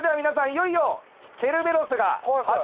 いよいよケルベロスが走りだします。